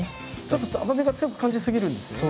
ちょっと甘みが強く感じ過ぎるんですよね。